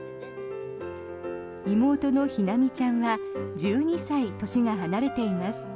妹の陽心ちゃんは１２歳、年が離れています。